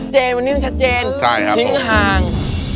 เจนมันนึงชัดเจนถึงทิ้งห่าง